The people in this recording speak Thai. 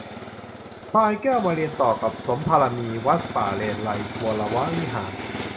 พลายแก้วมาเรียนต่อกับสมภารมี วัดป่าเลไลยก์วรวิหาร